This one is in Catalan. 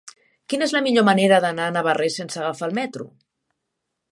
Quina és la millor manera d'anar a Navarrés sense agafar el metro?